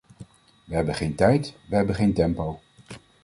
We hebben geen tijd, we hebben geen tempo.